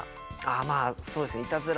まぁそうですね。